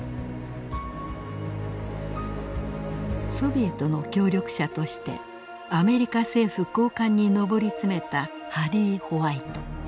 ソビエトの協力者としてアメリカ政府高官に上り詰めたハリー・ホワイト。